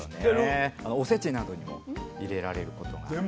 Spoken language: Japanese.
おせちなどにも入れられることがある。